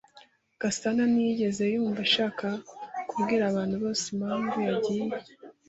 Gasana ntiyigeze yumva ashaka kubwira abantu bose impamvu yagiye.